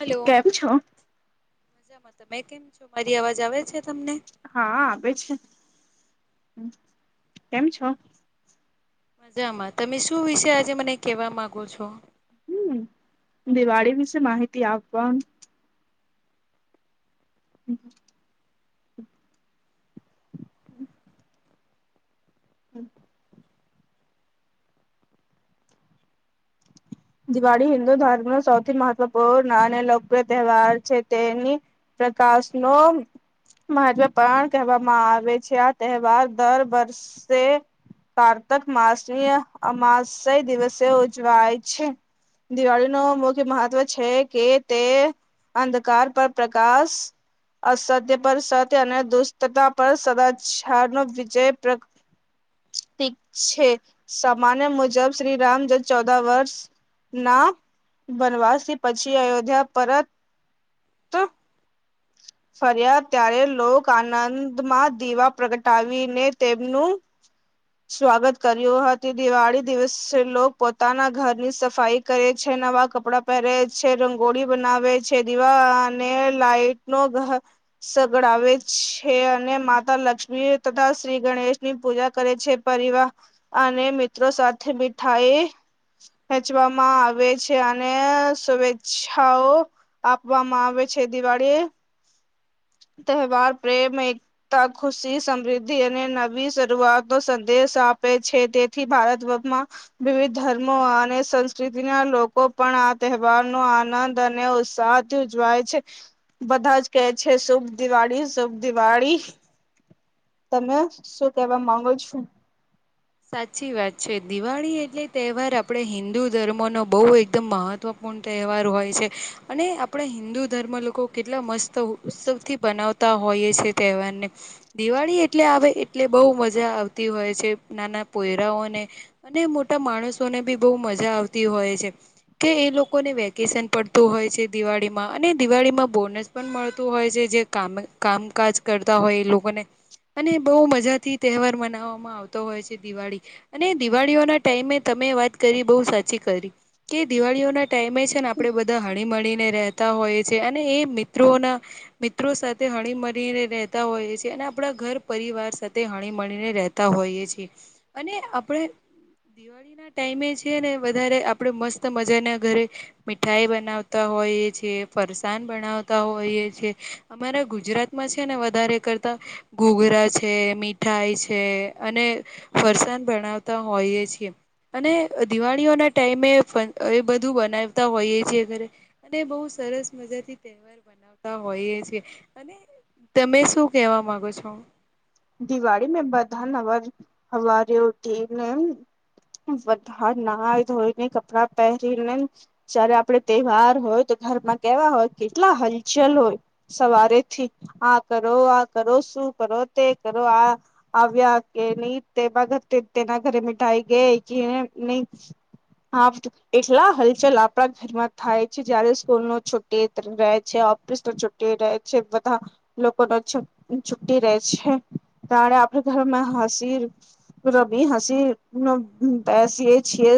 Hello કેમ છો? મજામાં તમે કેમ છો? મારી અવાજ આવે છે તમને? હા આવેે છે કેમ છો? મજામાં તમે શું વિશે આજે મને કેવા માંગો છો? હમ્મ, દિવાળી વિશે માહિતી આપવા હમ્મ. હમ્મ. દિવાળી હિન્દુ ધર્મનો સૌથી મહત્વપૂર્ણ અને લોકપ્રિય તહેવાર છે તેની પ્રકાશનો મહત્વ પણ કહેવામાં આવે છે, આ તહેવાર દર વર્ષે કાર્તક માસની અમાસ દિવસે ઉજવાય છે. દિવાળીનું મુખ્ય મહત્વ છે કે તે અંધકાર પર પ્રકાશ અસત્ય પર સત્ય અને દુષ્ટાં પર સદાચાર નો વિજય પ્ર ઠીક છે. સામાન્ય મુજબ શ્રીરામ જ ચૌદા વર્ષ ના વનવાસ થી પછી અયોધ્યા પરત ફર્યા ત્યારે લોક આનંદમાં દીવા પ્રગટાવીને તેમનું સ્વાગત કર્યું હતું દિવાળી દિવસે લોક પોતાના ઘરની સફાઈ કરે છે, નવા કપડાં પહેરે છે, રંગોળી બનાવે છે, દીવા અને લાઈટ નો [unintelligible] સગડાવે છે અને માતા લક્ષ્મી તથા શ્રી ગણેશની પૂજા કરે છે પરિવાર અને મિત્રો સાથે મીઠાઈ વેચવામાં આવે છે અને શુભેચ્છાઓ આપવામાં આવે છે. દિવાળી તહેવાર પ્રેમ એક તા ખુશી સમૃદ્ધિ અને નવી શરૂઆત નો સંદેશ આપે છે, તે થી ભારત વર્ષમાં વિવિધ ધર્મો અને સંસ્કૃતિના લોકો પણ આ તહેવાર નો આનંદ અને ઉત્સાહ થી ઉજવાય છે બધા જ કે છે, શુભ દિવાળી, શુભ દિવાળી તમે શું કેવા માંગો છો? સાચી વાત છે, દિવાળી એટલે તહેવાર આપણે હિન્દુ ધર્મોનો બહુ એકદમ મહત્વ પૂર્ણ તહેવાર હોય છે અને આપણા હિન્દુ ધર્મ લોકો કેટલા મસ્ત ઉત્સવથી બનાવ તા હોઈએ સે તહેવારને દિવાળી એટલે આવે એટલે બહુ મજા આવતી હોય છે. નાના પોયરાઓને અને મોટા માણસોને બી બહુ મજા આવતી હોય છે. કે એ લોકોને વેકેશન પડતું હોય છે દિવાળીમાં અને દિવાળીમાં બોનસ પણ મળતું હોય છે જે કામ કામકાજ કરતા હોય એ લોકોને. અને બહુ મજા થી તહેવાર મનાવવામાં આવતા હોય છે દિવાળી અને દિવાળીઓના ટાઈમે તમે વાત કરી બહુ સાચી કરી કે દિવાળીઓ ના ટાઈમે છે ને આપડે બધા હણીમળીને રે તા હોય છે અને એ મિત્રોના મિત્રો સાથે હણી મળીને રહેતા હોઈએ છીએ અને આપણા ઘર પરિવાર સાથે હણી મળીને રહેતા હોઈએ છીએ. અને આપણે ટાઈમે છે ને વધારે આપડે મસ્ત મજા ના ઘરે મીઠાઈ બનાવતા હોઈએ છે ફરસાણ બનાવતા હોઈએ છે. અમારા ગુજરાતમાં છે ને વધારે કરતા ઘુઘરા છે મીઠાઈ છે અને ફરસાાન બણાવતા હોઈએ છીએ. અને દિવાળીઓના ટાઈમે એ બધું બનાવતા હોઈએ છીએ ઘરે તે બહુ સરસ મજા થી તહેવાર મનાવતા હોઈએ છેીએ અને તમે શું કેવા માંગો છો? દિવાળી મે બધા ના વર હવારે ઊઠી ને વધા ના ધોઈને કપડાં પહેરીને જયારે આપડે તહેવાર હોય તો ઘરમાં કેવા હોય કેટલા હલચલ હોય સવારેથી આ કરો આ કરો શું કરો તે કરો આ. આવ્યા કે નહી તેમાં તેના ઘરે મીઠાઈ ગઈ કે નહી. હા એટલા હલચલ આપણા ઘેરમા થાય છે જયારે સ્કૂલ નો [unintelligible] રહે છે ઓફિસ નું છુટી રહે છે બધા લોકો ન છુટી રહે છે ત્યારે આપડા ઘરમાં હસી રબી હસી નું બેસી એ છીએ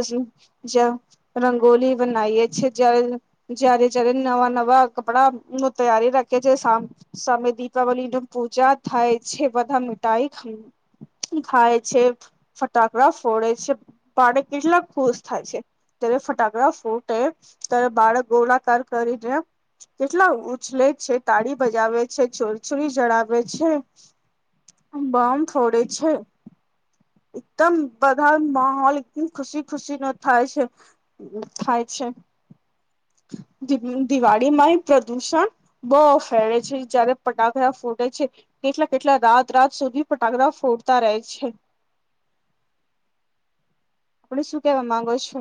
[unintelligible] રંગોલી બનાઈ છે [inaudible] જ્યારે જયારે નવા નવા કપડા નું તૈયારી રાખે છે સામ. સામે દિપાવલી નુ પૂજા થાય છે બધા મીઠાઈ ખા. ખાય છે ફટાકડા ફોડે છે પાડ કેટલા ખુશ થાય છે. ત્યારે ફટાકડા ફૂટે ત્યારે બાળક ગોળકાર કરીને કેટલા ઉછલે છે તાળી બજાવે છે છોરછોરી જળાવે. છે બમ ફોડે છે. એકદમ બધા માહોલ ઈટલી ખુશી ખુશી નો થાય છે. થાય છે દિ દિવાળીમાં પ્રદુષણ. બો ફેડે છે જયારે પટાકડા ફૂટે છે. કેટલા કેટલા રાત રાત સુધી ફટાકડા ફોડતા રહે છે. આપડે શું કેવા માંગો છો.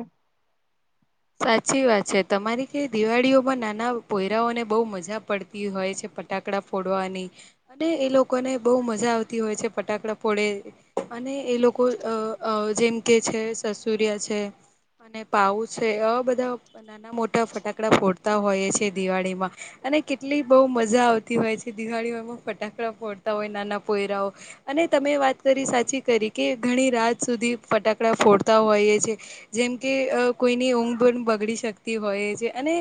સાચી વાત છે તમારી કે દિવાળીઓમાં નાના પોયરાઓને બહુ મજા પડતી હોય છે. ફટાકડા ફોડવાની અને એ લોકોને બહુ મજા આવતી હોય છે ફટાકડા ફોડે. અને એ લોકો અ અ જેમ કે છે સસુરિયા છે અને પાઉ. છે આ બધા નાના મોટા ફટાકડા ફોડતા હોય છે દિવાળીમાં. અને કેટલી બહુ મજા આવતી હોય છે દિવાળીઓયમાં ફટાકડા ફોડતા હોય નાના પોયરાઓ. અને તમે વાત કરી સાચી કરી કે ઘણી રાત સુધી ફટાકડા ફોડતા હોઈએ છે. જેમ કે અ કોઈની ઊંઘ બુઘ પણ બગડી શકતી હોય છે અને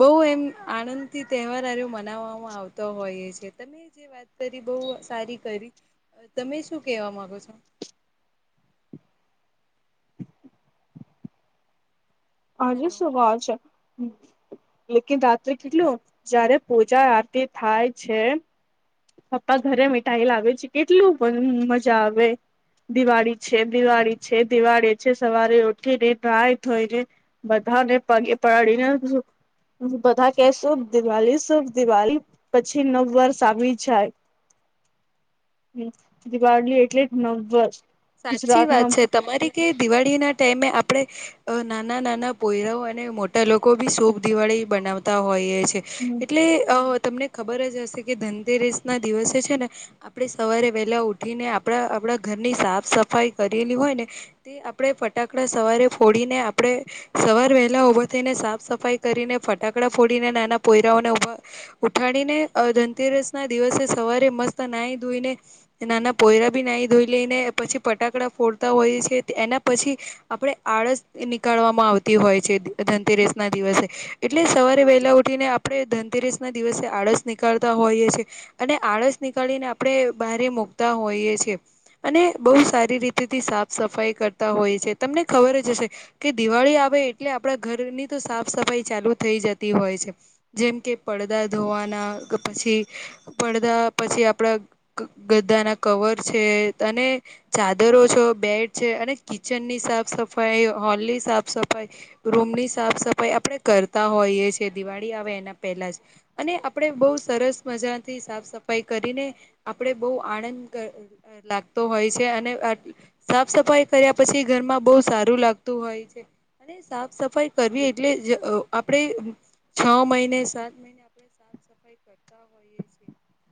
બહુ એમ આનંદથી તહેવાર હારે મનાવામાં આવતો હોઈ છે તમે. વાત કરી બહુ સારી કરી તમે શું કેવા માંગો છો. હજુ હેલો શું વાવ છે. લેકિન રાત્રે કેટલું જયારે પૂજા આરતી થાય છે. પપ્પા ઘરે મિટાઈેલાાવે છે કેટલું મજા આવે દિવાળી છે દિવાળી છે દિવાળી છે સવારે ઉઠીને રાાય થઈને બધા ને પગી પડી ને હ બધા કેશું દિવાળી શુભ દિવાળી પછી નવ વર્ષ આવી દિવાળલી એટલે જ નવવર સાચી વાત છે તમારી કે દિવાળી ના ટાઈમે આપણેે અ નાના નાના પોયરાઓ અને મોટા લોકો બી શોભ દિવાળી બનાવતા હોય એટલે તમને ખબર જ હશે કે ધનતેરેસ ના દિવસે છે ને આપણે સવારે વહેલા ઉઠીને આપણા આપણા ઘરની સાફ સફાઈ કરેલી હોય ને તે આપણે ફટાકડા સવારે ફોડીને આપણે સવાર વહેલા ઉભા થઈને સાફ સફાઈ કરીને ફટાકડા ફોડીને નાના કોયરાઓને ઉભા ઉઠાડીને ધનતેરસ ના દિવસે સવારે મસ્ત નાહી ધોઈને નાના પોયરા બી નાહી ધોઈ લઈને પછી ફટાકડા ફોડતા હોય છે એના પછી. આપણે આળસ નીકળવામાં આવતી હોય છે ધનતેરેસ ના દિવસે એટલે સવારે વહેલા ઉઠીને આપણે ધનતેરસ ના દિવસે આળસ નીકળતા હોઈએ છીએ અને આળસ નીકળીને આપણે બહારે મુૂકતા હોઈએ છેએ અને બહુ સારી રીતેથી સાફ સફાઈ કરતા હોય છે તમને ખબર જ હશે કે દિવાળી આવે એટલે આપણા ઘરની તો સાફ સફાઈ ચાલુ થઈ જતી હોય છે. જેમ કે પડદા ધોવાના પછી પડદા પછી આપડા ગ્ધાના કવર છે અને ચાદરો છો બેડ છે અને કિચન ની સાફ સફાઈ હોલ ની સાફ સફાઈ રૂમની સાફ સફાઈ આપણે કરતા હોઈએ છીએ. દિવાળી આવે એના પહેલા જ અને આપણેે બહુ સરસ મજાથી સાફ સફાઈ કરીને આપણેે બહુ આનંદ લાગતો હોય અને સાફ સફાઈ કર્યા પછી ઘરમાં બહ સારું લાગતું હોય છે. અને સાફ સફાઈ કરવી એટલે આપણેે છ મહિને સાત મહિને આપણે સાફ સફાઈ કરતા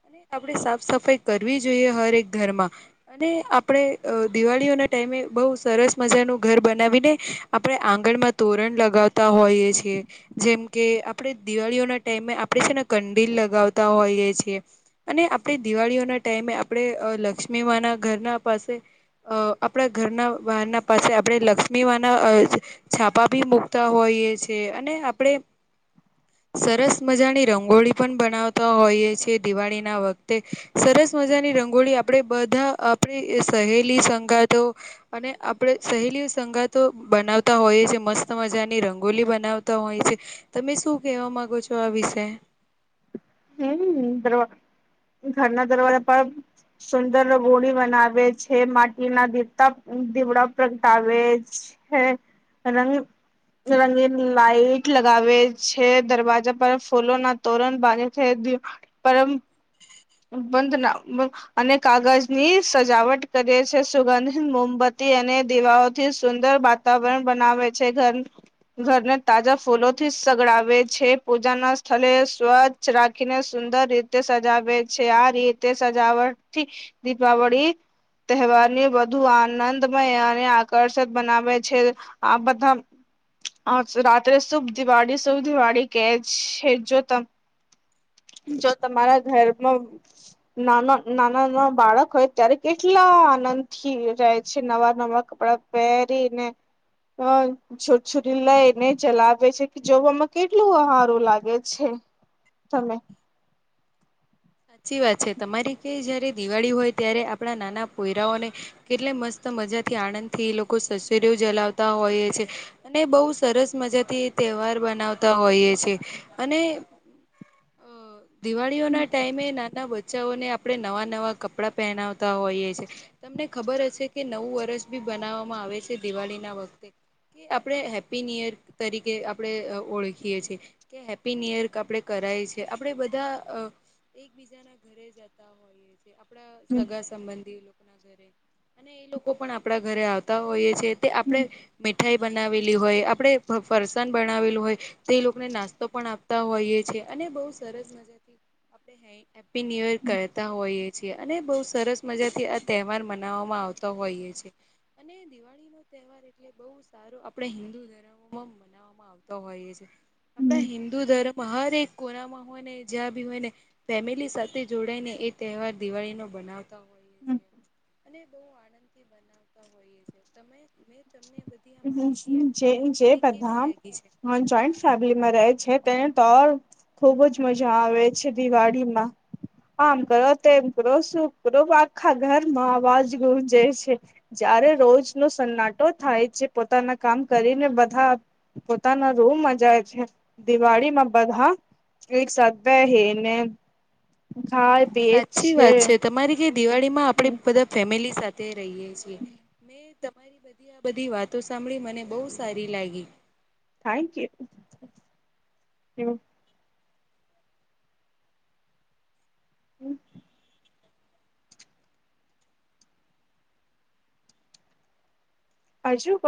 અને આપણે સાફ સફાઈ કરવી જોઈએ. હર ઘરમાં અને આપણે દિવાળીઓ ના ટાઈમે બહ સરસ મજાનું ઘર બનાવીને આપણે આંગણ માં તોરણ લગાવતા હોઈએ છીએ. જેમ કે આપણેે દિવાળીઓના ટાઈમે આપણે છે ને કંડીલ લગાવતા હોઈએ છીએ. અને આપણે દિવાળીઓના ટાઈમે આપણે લક્ષ્મી મા ના ઘરના પાસે અ આપણા ઘરના બહાર ના પાસે આપણે લક્ષ્મી વાના છાપા ભી મુકતા હોઈએ છે. અને આપણેે સરસ મજાની રંગોળી પણ બનાવતા હોઈએ છીએ દિવાળી ના વખતે સરસ મજાની રંગોળી આપણેે બધા આપણી સહેલી સંગાતો અને આપણે સહેલીઓ સંગાતો બનાવતા હોઈએ છીએ. મસ્ત મજાની રંગોલી બનાવતા હોઈ છે. તમે શું કેવા માંગો છો આ વિષે?? હમ દરવા ઘરના દરવાજા પણ સુંદર રઘોળી બનાવે છે. માટી ના દીપતા દીવડા પ્રગટાવે છે. હે રંગ. રંગી લાાઈટ લગાવે છે. દરવાજા પર ફૂલો ના તોરણ બાગે છે દ પરમ. બંધ ના. અને કાગજ ની સજાવટ કરી છે. સુગંધ મોમબત્તી અને દીવાઓથી સુંદર બા તતાવણ બનાવે છે. ઘર ઘરને તાજા ફૂલો થી સગડાવે છે. પૂજા ના સ્થળ સ્વ રાખીને સુંદર રીતે સજાવે. છે. આ રીતે સજાવટ થી દીપાવળી તહેવારને વધુ આનંદમય અને આકર્ષક બનાવે છે. આ બધા. હા રાત્રે શુભ દિવાળી શુભ દિવાળી કે છે જો તમે. જો તમારા ઘરમા નાના નાના નાના. પેરી ને હ. છોટછોરી લઈને ચલાવે છે કે જોવામાં કેટલું આહારું લાગે છે. [inaudible] સાચી વાત છે તમારી કંઈ. કેટલે મસ્ત મજાથી આનંદ થી એ લોકો સસુરીઓ જલાવતા હોય છે. અને બહુ સરસ મજાથી એ તહેવાર બનાવતા હોઈએ છે. અને અ દિવાળીઓ ના. નાના બચ્ચાઓને આપડણે નવા નવા કપડા પહેનાવતા હોઈએ છી. તમને ખબર હશે કે નવું વરષ બી બનાવવામાં આવે છે. દિવાળી ના વખતે કે આપણે હેપી ન્યુ યર તરીકે આપણે ઓળખીએ છીએ. કે હેપી ન્યુ યર આપડે કરાય છે. આપડે બધા એક બીજા ના ઘરે જતા હોઈએ છે. આપડા સગા સંબંધી લોકો ના ઘરે. અને એ લોકો પણ આપણા ઘરે આવતા હોઈએ છે. તે આપણે મીઠાઈ બનાવેલી હોય આપણે ફરસાણ બનાવેલું હોય. તે લોકોને નાસ્તો પણ આપતા હોઈએ છે. અને બહુ સરસ મજા હેપી ન્યુ યર કરતા હોય. અને બહ સરસ મજા થી આ તહેવાર મનાવામાં આવતો હોઈએ છે, અને દિવાળી તહેવાર એટલે બહઉ સારો આપણેે હિન્દુ ધર્મોમાં મનાવવામાં આવતો હોઈએ છેએ. આપણા હિન્દુ ધર્મમાં હર એક કોનામાં હોય ને જ્યાં ભી હોય ને. ફેમિલી સાથે જોડાઈ ને એ તહેવાર દિવાળી નો બનાવ બ આનંદથી બનાવ હો તમને. બધી આ હ માહિતી આપી જ જય ને કેવી બદામન લાગી છે ચઈન્ટ. ફલીમાં રહે છે. તેને તો ખુબ જ મજા આવે છે. દિવાળીમાં આમ કરો તેમ કરો શું કરો આખા ઘરમાં અવાજ ગુરુંજાય છે. જયારે રોજ નો સન્નાટો થાય જે પોતાના કામ કરીને બધા પોતાના રૂમમાં જાય છે, દિવાળીમાં બધા એક સ હ ને ઘાર બેચ સાચી છે. વાત તમારી ક દિવાળીમાં આપણે હમ બધા ફેમિલી સાથે રહીએ છીએ, મેં મારી બધી આ બધી વાતો સાંભળી મને બહ સારી લાગી. Thank you. હમ. હજુ ક